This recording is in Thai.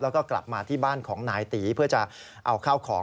แล้วก็กลับมาที่บ้านของนายตีเพื่อจะเอาข้าวของ